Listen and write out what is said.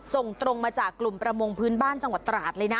ส่งตรงมาจากกลุ่มประมงพื้นบ้านจังหวัดตราดเลยนะ